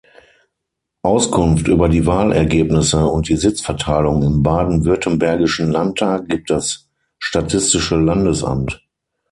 Auskunft über die Wahlergebnisse und die Sitzverteilung im baden-württembergischen Landtag gibt das Statistische Landesamt.